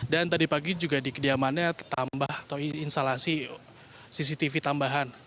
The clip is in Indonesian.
dan tadi pagi juga di kediamannya terambah atau instalasi cctv tambahan